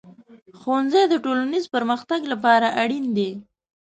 ښوونځی د ټولنیز پرمختګ لپاره اړین دی.